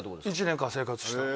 １年間生活した。